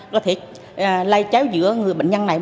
nó thể lây chéo giữa người